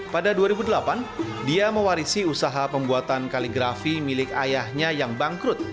pada dua ribu delapan dia mewarisi usaha pembuatan kaligrafi milik ayahnya yang bangkrut